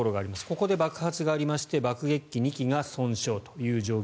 ここで爆発がありまして爆撃機２機が損傷と。